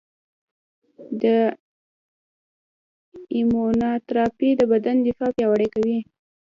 د ایمونوتراپي د بدن دفاع پیاوړې کوي.